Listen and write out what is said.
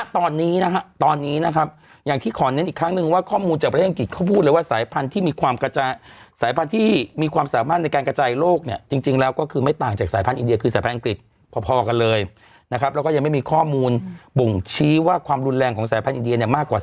ตอนนี้นะฮะตอนนี้นะครับอย่างที่ขอเน้นอีกครั้งนึงว่าข้อมูลจากประเทศอังกฤษเขาพูดเลยว่าสายพันธุ์ที่มีความกระจายสายพันธุ์ที่มีความสามารถในการกระจายโลกเนี่ยจริงแล้วก็คือไม่ต่างจากสายพันธุอินเดียคือสายพันธังกฤษพอกันเลยนะครับแล้วก็ยังไม่มีข้อมูลบ่งชี้ว่าความรุนแรงของสายพันธุเดียเนี่ยมากกว่า